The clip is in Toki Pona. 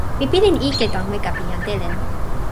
mi pilin ike tan weka pi jan Telen.